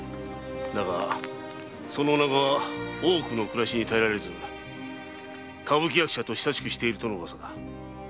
大奥奉公の暮らしに耐えられず歌舞伎役者と親しくしているとのウワサだ。